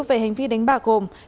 về hành vi đánh bạc gồm